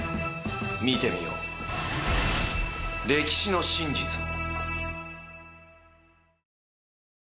見てみよう歴史の真実を。